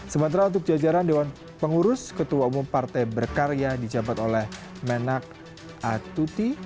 sementara untuk jajaran dewan pengurus ketua umum partai berkarya dijabat oleh menak atuti